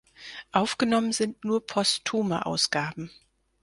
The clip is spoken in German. Aufgenommen sind nur postume Ausgaben.